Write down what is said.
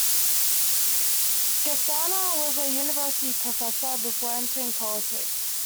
Gasana was a university professor before entering politics.